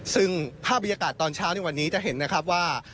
ซึ่งภาพบรรยากาศตอนเช้าในวันนี้จะเห็นนะครับว่า